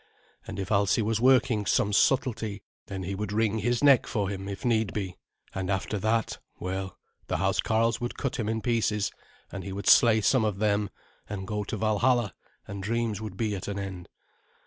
And if Alsi was working some subtlety, then he would wring his neck for him, if need be; and after that well, the housecarls would cut him in pieces, and he would slay some of them, and so go to Valhalla, and dreams would be at an end.